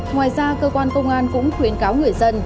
ngoài ra cơ quan công an cũng khuyến cáo người dân